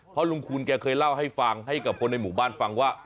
เพราะลุงคูณแกเคยเล่าให้ฟังให้กับคนในหมู่บ้านฟังว่า